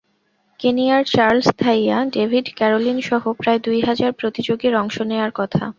কেনিয়ার Charles Thaiya, David ক্যারোলিনসহ প্রায় দুই হাজার প্রতিযোগীর অংশ নেওয়ার কথা।